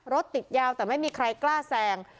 รถติดยาวแต่ไม่มีใครกล้าแซง